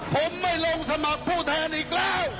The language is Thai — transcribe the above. ผมไม่ลงสมัครผู้แทนอีกแล้ว